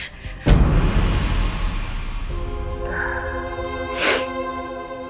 kamu sudah tega